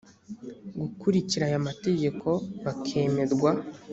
gukurikira aya mategeko bakemerwa